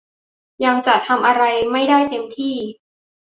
ยังจะทำอะไรไม่ได้เต็มที่